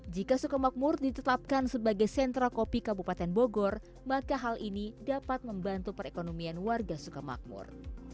jika sukamakmur ditetapkan sebagai sentra kopi kabupaten bogor maka hal ini dapat membantu perekonomian warga sukamakmur